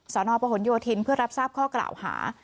นประหลโยธินเพื่อรับทราบข้อกล่าวหา